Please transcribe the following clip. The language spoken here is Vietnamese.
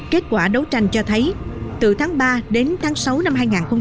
kết quả đấu tranh cho thấy từ tháng ba đến tháng sáu năm hai nghìn một mươi sáu